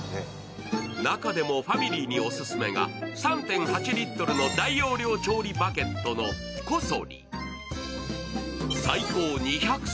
中でもファミリーにオススメが３．８リットルの大容量調理バケットのＣＯＳＯＲＩ。